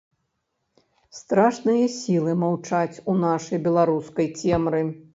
Страшныя сілы маўчаць у нашай беларускай цемры.